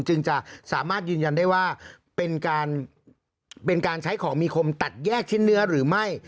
จึงจะสามารถยืนยันได้ว่าเป็นการเป็นการใช้ของมีคมตัดแยกชิ้นเนื้อหรือไม่